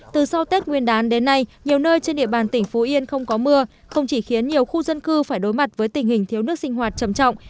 từ sau tết nguyên đán đến nay nhiều nơi trên địa bàn tỉnh phú yên không có mưa không chỉ khiến nhiều khu dân cư phải đối mặt với tình hình thiếu nước sinh hoạt trầm trọng